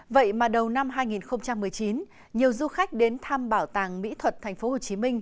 vậy mà đầu năm hai nghìn một mươi chín nhiều du khách đến thăm bảo tàng mỹ thuật tp hcm